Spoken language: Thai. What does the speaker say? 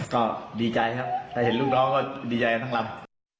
ก็ดีใจครับถ้าเห็นลูกน้องก็ดีใจกันทั้งลำ